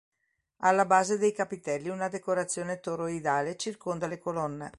Alla base dei capitelli una decorazione toroidale circonda le colonne.